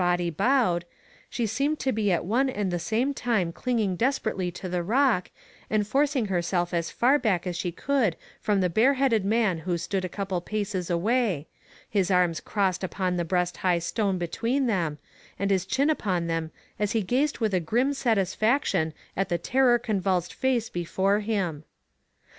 body bowed, she seemed to be at one and the same time clinging desperately to the rock and forcing herself as far back as she could from the bareheaded man who stood a couple of paces away, his arms crossed upon a breast high stone between them, and his chin upon them as he gazed with a grim satisfaction at the terror convulsed face before him.